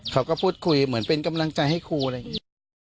เขาก็พูดคุยเหมือนเป็นกำลังใจให้ครูอะไรอย่างนี้